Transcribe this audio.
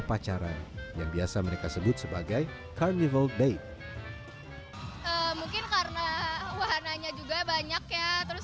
pacaran yang biasa mereka sebut sebagai carnival day mungkin karena wahananya juga banyak ya terus